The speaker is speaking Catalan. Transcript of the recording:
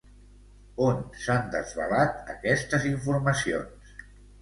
On s'han desvelat aquestes informacions?